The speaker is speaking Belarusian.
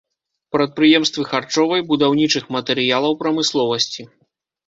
Прадпрыемствы харчовай, будаўнічых матэрыялаў прамысловасці.